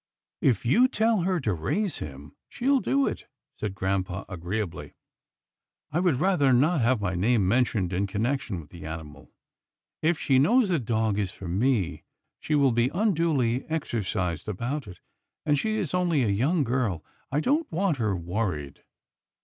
," If you tell her to raise him, she'll do it," said grampa agreeably. " I would rather not have my name mentioned in connection with the animal. If she knows the dog is for me, she will be unduly exercised about it, and 102 'TILDA JANE'S ORPHANS she is only a young girl. I don't want her wor ried."